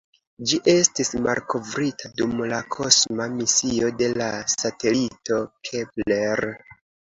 Ĝi estis malkovrita dum la kosma misio de la satelito Kepler.